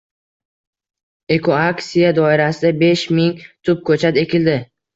Ekoaksiya doirasida besh ming tup ko‘chat ekilding